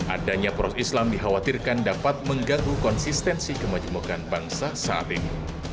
adanya poros islam dikhawatirkan dapat mengganggu konsistensi kemajemukan bangsa saat ini